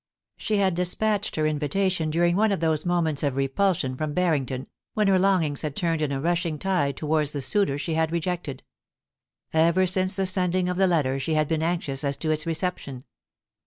She had despatched her invitation during one of those moments of repulsion from Barrington, when her longings had turned in a rushing tide towards the suitor she had re jected. Ever since the sending of the letter she had been anxious as to its reception.